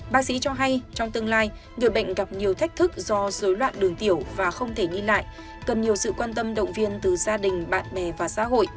bác sĩ cho hay trong tương lai người bệnh gặp nhiều thách thức do dối loạn đường tiểu và không thể nhìn lại cần nhiều sự quan tâm động viên từ gia đình bạn bè và xã hội